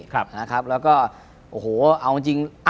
ลายตำนานที่ศิลปะกันสู้